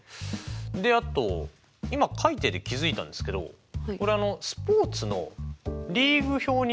であと今書いてて気付いたんですけどこれスポーツのリーグ表に何か似てませんか？